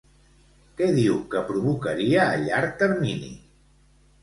Què diu que provocaria a llarg termini?